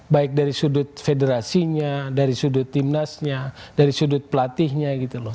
baik dari sudut federasinya dari sudut timnasnya dari sudut pelatihnya gitu loh